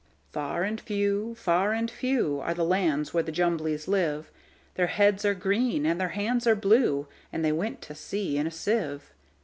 Far and few, far and few, Are the lands where the Jumblies live:Their heads are green, and their hands are blue; And they went to sea in a sieve.